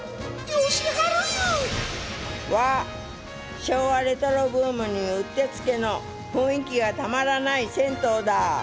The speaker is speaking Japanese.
うわ昭和レトロブームにうってつけの雰囲気がたまらない銭湯だ！